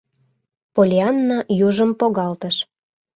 Поллианна южым погалтыш.